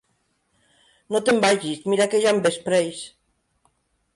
No te'n vagis: mira que ja envespreix.